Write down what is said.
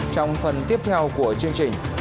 trong phần tiếp theo của chương trình